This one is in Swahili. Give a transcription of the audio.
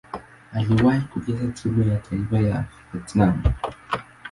Aliwahi kucheza timu ya taifa ya Vietnam.